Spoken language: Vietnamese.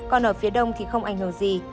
còn ở phía đông thì không ảnh hưởng gì